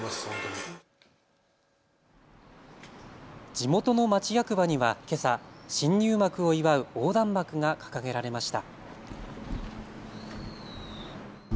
地元の町役場にはけさ新入幕を祝う横断幕が掲げられました。